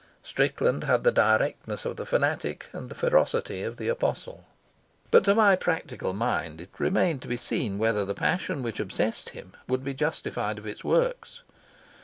Strickland had the directness of the fanatic and the ferocity of the apostle. But to my practical mind it remained to be seen whether the passion which obsessed him would be justified of its works.